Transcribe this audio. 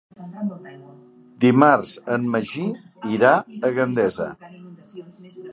Dimarts en Magí irà a Gandesa.